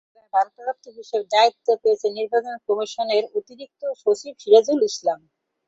তাঁর জায়গায় ভারপ্রাপ্ত হিসেবে দায়িত্ব পেয়েছেন নির্বাচন কমিশনের অতিরিক্ত সচিব সিরাজুল ইসলাম।